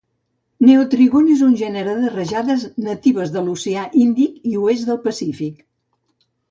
Neotrygon és un gènere de rajades natives del oceà Índic i oest del Pacífic